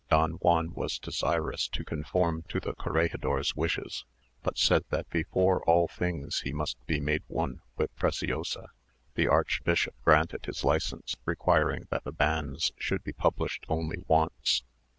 Don Juan was desirous to conform to the corregidor's wishes, but said that before all things he must be made one with Preciosa. The archbishop granted his license, requiring that the banns should be published only once.